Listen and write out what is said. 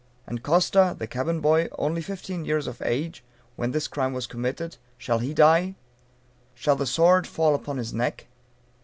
And Costa, the cabin boy, only fifteen years of age when this crime was committed shall he die? Shall the sword fall upon his neck?